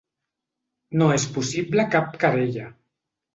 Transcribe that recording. No és possible cap querella.